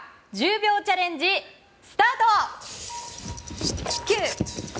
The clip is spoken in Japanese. １０秒チャレンジ、スタート！